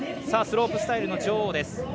スロープスタイルの女王です。